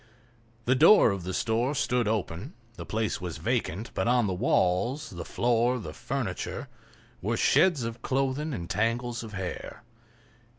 The door of the store stood open; the place was vacant, but on the walls, the floor, the furniture, were shreds of clothing and tangles of hair.